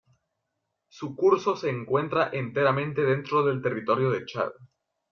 Su curso se encuentra enteramente dentro del territorio de Chad.